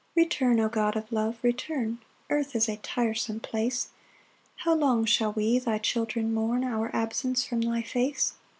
1 Return, O God of love, return; Earth is a tiresome place: How long shall we thy children mourn Our absence from thy face!